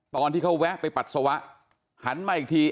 ตอนที่เขาแวะไปปัสสาวะหันมาอีกที